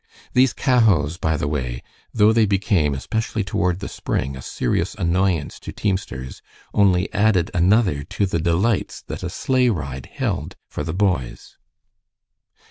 These cahots, by the way, though they became, especially toward the spring, a serious annoyance to teamsters, only added another to the delights that a sleigh ride held for the boys.